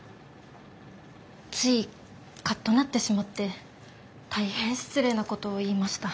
ついカッとなってしまって大変失礼なことを言いました。